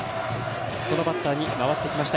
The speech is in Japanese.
そのバッターに回ってきました